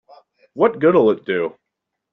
What good'll it do?